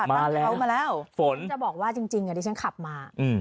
มาแล้วมาแล้วฝนจะบอกว่าจริงอ่ะดิฉันขับมาอืม